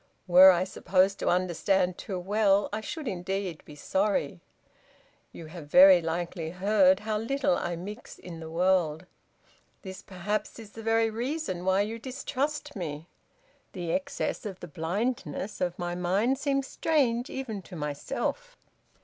Were I supposed to understand too well, I should indeed be sorry. You have very likely heard how little I mix in the world. This perhaps is the very reason why you distrust me. The excess of the blindness of my mind seems strange even to myself."